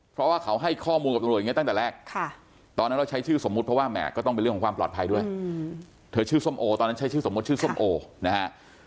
เพราะว่าเขาให้ข้อมูลกับตำรวจอย่างนี้ตั้งแต่แรกตอนนั้นเราใช้ชื่อสมมุติเพราะว่าแหม่ก็ต้องเป็นเรื่องของความปลอดภัยด้วยเธอชื่อส้มโอตอนนั้นใช้ชื่อสมมุติชื่อส้มโอนะฮะ